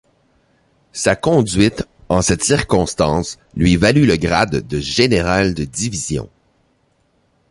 Sa conduite, en cette circonstance, lui valut le grade de général de division.